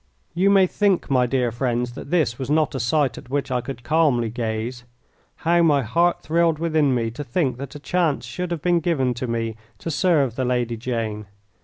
You may think, my dear friends, that this was not a sight at which I could calmly gaze. How my heart thrilled within me to think that a chance should have been given to me to serve the Lady Jane!